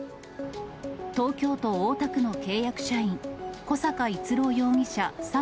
東京都大田区の契約社員、小坂逸朗容疑者